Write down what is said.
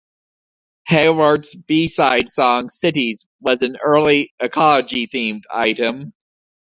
Hayward's B-side song "Cities" was an early ecology-themed item.